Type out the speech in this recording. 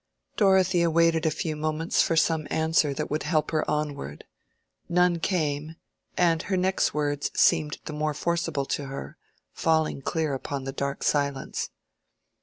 Dorothea waited a few moments for some answer that would help her onward. None came, and her next words seemed the more forcible to her, falling clear upon the dark silence.